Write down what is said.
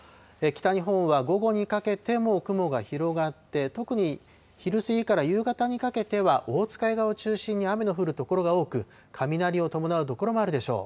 北日本は午後にかけても雲が広がって、特に、昼過ぎから夕方にかけては、オホーツク海側を中心に雨の降る所が多く、雷を伴う所もあるでしょう。